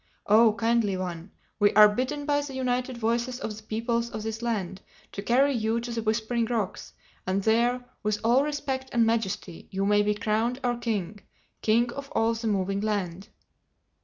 Oh Kindly One, we are bidden by the united voices of the peoples of this land to carry you to the Whispering Rocks, that there, with all respect and majesty, you may be crowned our king—King of all the Moving Land."